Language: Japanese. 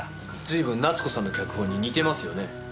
随分奈津子さんの脚本に似てますよね。